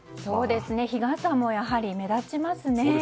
日傘も、やはり目立ちますね。